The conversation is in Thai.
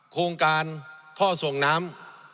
โครงการท่อส่งน้ำ